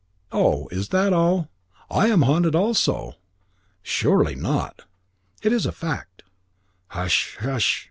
"Oh! Is that all? I am haunted also." "Surely not?" "It is a fact." "Hush, hush!"